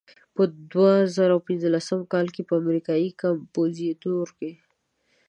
په دوه زره پنځلسم کال کې به امریکایي کمپوزیتور.